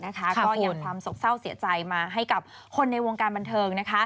ก็นำความสกเศร้าเสียใจมาให้กับคนในวงการบันเทิง